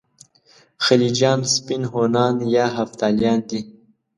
خلجیان سپین هونان یا هفتالیان دي.